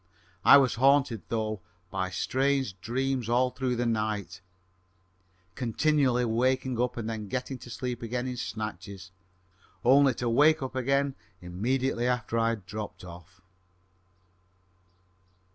I was haunted, though, by strange dreams all through the night, continually waking up and then getting to sleep again in snatches, only to wake up again immediately after I had dropped off.